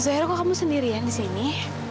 akhirnya kok kamu sendirian di sini